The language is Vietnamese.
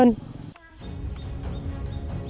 riêng được một lúc